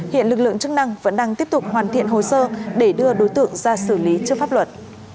hiện lực lượng chức năng vẫn đang tiếp tục hoàn thiện hồ sơ để đưa đối tượng ra xử lý trước pháp luật